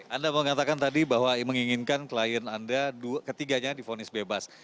anda mengatakan tadi bahwa menginginkan klien anda ketiganya difonis bebas